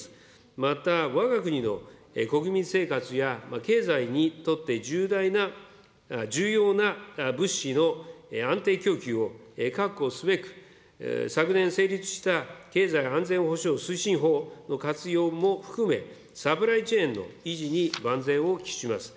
また、わが国の国民生活や経済にとって重要な物資の安定供給を確保すべく、昨年成立した経済安全保障推進法の活用も含め、サプライチェーンの維持に万全を期します。